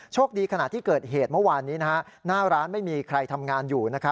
คดีขณะที่เกิดเหตุเมื่อวานนี้หน้าร้านไม่มีใครทำงานอยู่